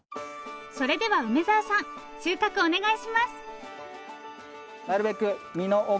それでは梅沢さん収穫お願いします！